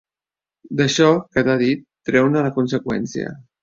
D'això que t'ha dit, treu-ne la conseqüència.